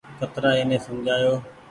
ڪترآ ايني سمجهآئو۔